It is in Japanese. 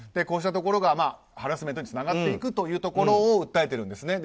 こうしたところがハラスメントにつながっていくということを訴えてるんです。